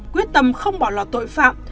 quyết tâm không bỏ lọt tội phạm